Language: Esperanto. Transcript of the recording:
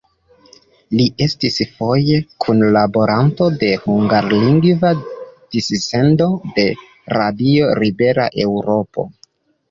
Li estis foje kunlaboranto de hungarlingva dissendo de Radio Libera Eŭropo.